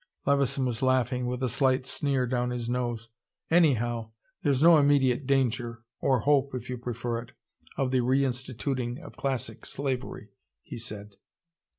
Levison was laughing, with a slight sneer down his nose. "Anyhow, there's no immediate danger or hope, if you prefer it of the re instituting of classic slavery," he said.